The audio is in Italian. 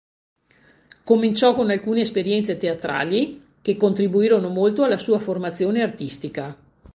Cominciò con alcune esperienze teatrali, che contribuirono molto alla sua formazione artistica.